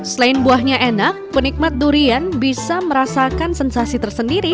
selain buahnya enak penikmat durian bisa merasakan sensasi tersendiri